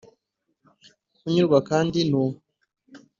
kunyurwa, kandi ni uwo.